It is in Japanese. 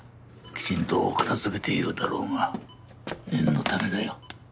きちんと片付けているだろうが念のためだよ。